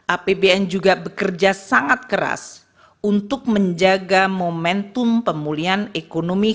apbn juga bekerja sangat keras untuk menjaga momentum pemulihan ekonomi